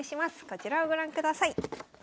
こちらをご覧ください。